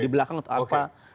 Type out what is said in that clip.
di belakang atau apa